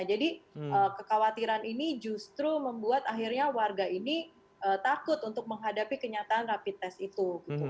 jadi kekhawatiran ini justru membuat akhirnya warga ini takut untuk menghadapi kenyataan rapid test itu